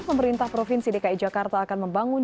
pemerintah provinsi dki jakarta akan membangun